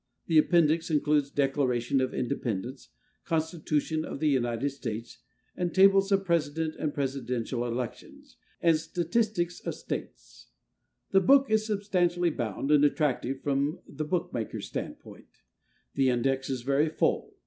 The appendix includes Declaration of Independence, Constitution of the United States, and tables of President and Presidential elections, and statistics of states. The book is substantially bound and attractive from the bookmaker's standpoint. The index is very full.